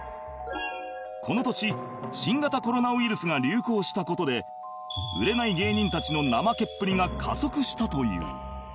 この年新型コロナウイルスが流行した事で売れない芸人たちの怠けっぷりが加速したという